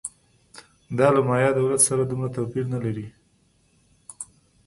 دا له مایا دولت سره دومره توپیر نه لري